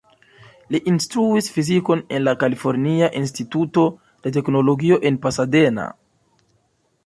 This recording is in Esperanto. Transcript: Li instruis fizikon en la Kalifornia Instituto de Teknologio en Pasadena.